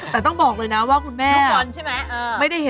แต่ต้องบอกเลยนะว่าคุณแม่